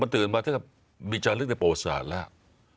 มันตื่นมาที่มีจารึกในประวัติศาสตร์แล้ว